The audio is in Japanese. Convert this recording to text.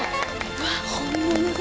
わっ本物だ。